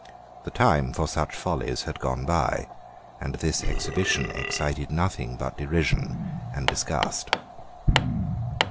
The time for such follies had gone by; and this exhibition excited nothing but derision and disgust.